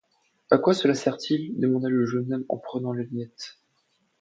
À quoi cela sert-il? demanda le jeune homme en prenant la lunette.